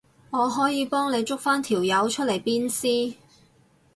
我可以幫你捉返條友出嚟鞭屍